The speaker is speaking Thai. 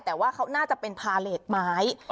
แต่ว่าเขาน่าจะเป็นพาเลสไม้